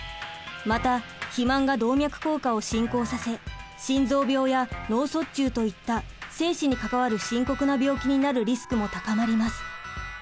また肥満が動脈硬化を進行させ心臓病や脳卒中といった生死に関わる深刻な病気になるリスクも高まります。